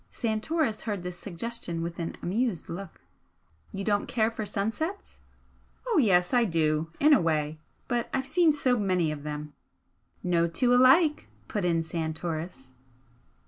Santoris heard this suggestion with an amused look. "You don't care for sunsets?" "Oh yes, I do, in a way. But I've seen so many of them " "No two alike" put in Santoris.